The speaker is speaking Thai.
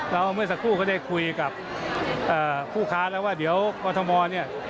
แล้วเมื่อสักครู่ก็ได้คุยกับผู้ค้าแล้วว่าเดี๋ยวกรทมเนี่ย